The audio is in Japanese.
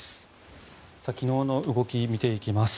昨日の動き見ていきます。